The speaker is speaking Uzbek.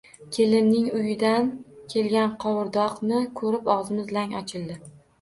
Kelinning uyidan kelgan qovurdoqni ko‘rib og‘zimiz lang ochildi